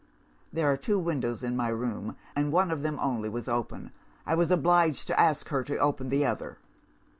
There are two windows in my room, and one of them only was open. I was obliged to ask her to open the other.